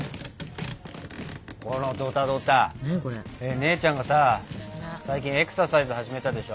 姉ちゃんがさ最近エクササイズ始めたでしょ？